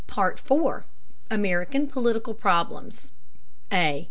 PART IV AMERICAN POLITICAL PROBLEMS A.